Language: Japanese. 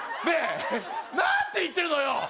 ねえ何て言ってるのよ